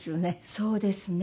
そうですね。